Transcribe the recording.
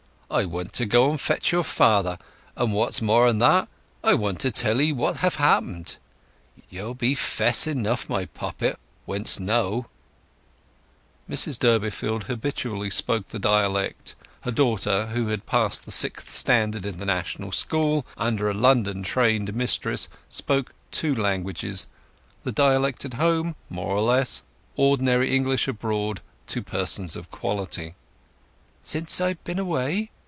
"I want to go and fetch your father; but what's more'n that, I want to tell 'ee what have happened. Y'll be fess enough, my poppet, when th'st know!" (Mrs Durbeyfield habitually spoke the dialect; her daughter, who had passed the Sixth Standard in the National School under a London trained mistress, spoke two languages: the dialect at home, more or less; ordinary English abroad and to persons of quality.) "Since I've been away?"